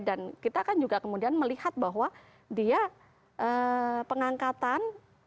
dan kita kan juga kemudian melihat bahwa dia pengangkatan